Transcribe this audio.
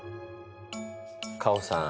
カホさん